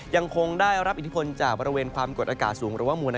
ยังคงได้รับอินทิฟทร์จากประเวนความกดอากาศสูง